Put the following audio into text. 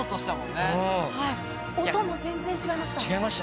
音も全然違いました。